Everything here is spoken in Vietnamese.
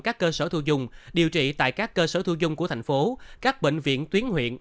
các cơ sở thu dùng điều trị tại các cơ sở thu dung của thành phố các bệnh viện tuyến huyện